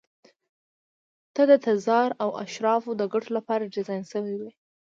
د تزار او اشرافو د ګټو لپاره ډیزاین شوي وو.